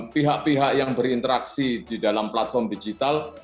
pihak pihak yang berinteraksi di dalam platform digital